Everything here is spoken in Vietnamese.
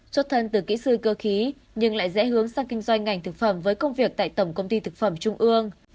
xuất thân từ kỹ sư cơ khí nhưng lại dễ hướng sang kinh doanh ngành thực phẩm với công việc tại tổng công ty thực phẩm trung ương